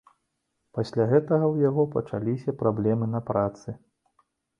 Пасля гэтага ў яго пачаліся праблемы на працы.